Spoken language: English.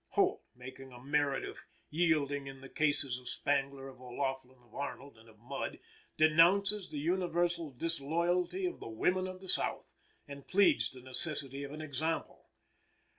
Holt, making a merit of yielding in the cases of Spangler, of O'Laughlin, of Arnold and of Mudd, denounces the universal disloyalty of the women of the South, and pleads the necessity of an example.